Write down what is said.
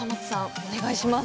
お願いします。